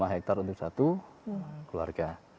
hektar untuk satu keluarga